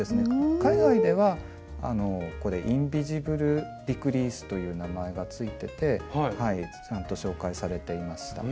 海外ではこれ「インビジブル・ディクリース」という名前が付いててちゃんと紹介されていました。